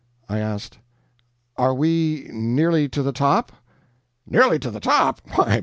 I asked: "Are we nearly to the top?" "Nearly to the TOP?